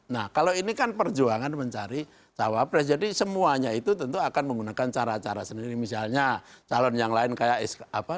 nah kalau ini kan perjuangan mencari cawapres jadi semuanya itu tentu akan menggunakan cara cara sendiri misalnya calon yang lain kayak apa